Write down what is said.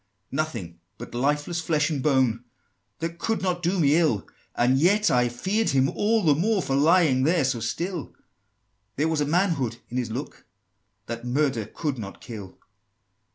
XVI. "Nothing but lifeless flesh and bone, That could not do me ill; And yet I feared him all the more, For lying there so still: There was a manhood in his look, That murder could not kill!"